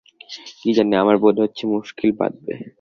কী জানি, আমার বোধ হচ্ছে মুশকিল বাধবে।